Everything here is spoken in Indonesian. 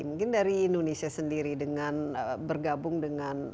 mungkin dari indonesia sendiri dengan bergabung dengan